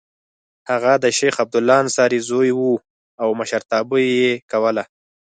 هغه د شیخ عبدالله انصاري زوی و او مشرتابه یې کوله.